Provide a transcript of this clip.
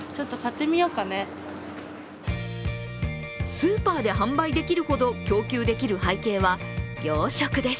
スーパーで販売できるほど供給できる背景は養殖です。